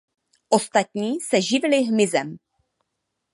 Ostatní se živili hmyzem.